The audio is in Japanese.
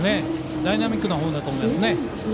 ダイナミックなフォームだと思います。